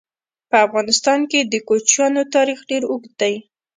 په افغانستان کې د کوچیانو تاریخ ډېر اوږد دی.